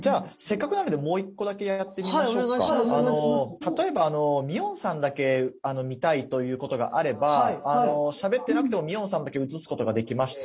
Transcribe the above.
例えばミオンさんだけ見たいということがあればしゃべってなくてもミオンさんだけ映すことができまして。